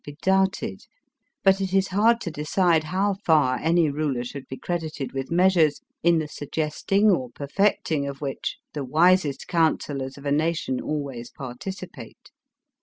be doubted ; but it is hard to decide how far any ruler should be credited with measures, in the suggesting or perfecting of which the wisest counsellors of a nation always participate.